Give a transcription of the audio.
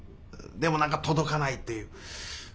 でも何か届かないという。